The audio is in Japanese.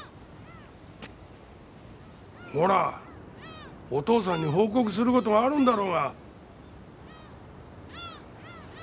ほらお父さんに報告する事があるんだろうが。